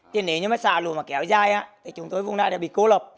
nếu như xả lửa mà kéo dài thì chúng tôi vùng này đã bị cố lập